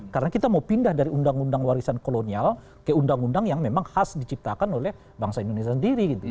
karena kita mau pindah dari undang undang warisan kolonial ke undang undang yang memang khas diciptakan oleh bangsa indonesia sendiri